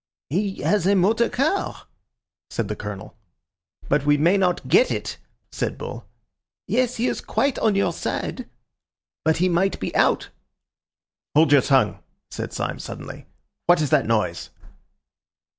"He has a motor car," said the Colonel. "But we may not get it," said Bull. "Yes, he is quite on your side." "But he might be out." "Hold your tongue," said Syme suddenly. "What is that noise?"